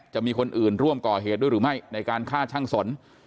จะมีคนอื่นร่วมก่อเหตุด้วยหรือไม่ในการฆ่าช่างสน